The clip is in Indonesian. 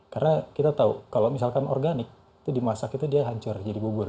karena kita tahu kalau misalkan organik dimasak itu dia hancur jadi bubur